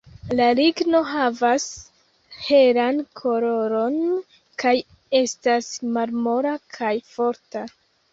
La ligno havas helan koloron, kaj estas malmola kaj forta.